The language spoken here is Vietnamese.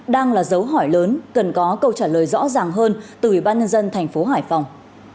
đang là dấu hỏi lớn cần có câu trả lời rõ ràng hơn từ ủy ban nhân dân thành phố hải phòng